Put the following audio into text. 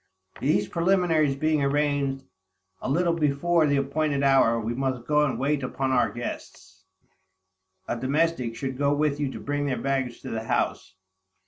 These preliminaries being arranged, a little before the appointed hour, we must go and wait upon our guests; a domestic should go with you to bring their baggage to the house.